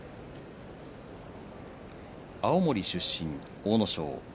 青森出身の阿武咲。